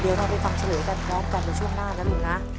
เดี๋ยวเราไปฟังเฉลยกันพร้อมกันในช่วงหน้านะลุงนะ